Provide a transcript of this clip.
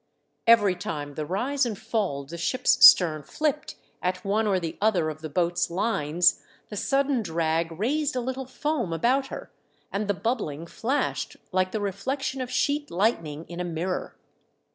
Every time the rise and fall of the ship's stern flipped at one or the other of the boat's lines the sudden drag raised a little foam about her, and the bubbling flashed like the reflec tion of sheet lightning in a mirror.